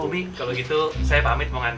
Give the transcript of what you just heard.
umi mengolosya di bawah konkret